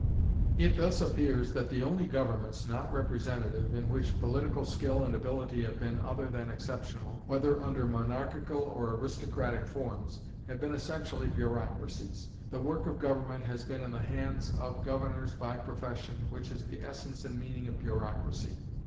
It thus appears that the only governments, not representative, in which high political skill and ability have been other than exceptional, whether under monarchical or aristocratic forms, have been essentially bureaucracies. The work of government has been in the hands of governors by profession, which is the essence and meaning of bureaucracy.